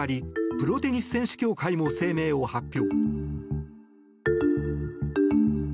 プロテニス選手協会も声明を発表。